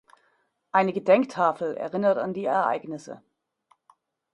Eine Gedenktafel erinnert an die Ereignisse.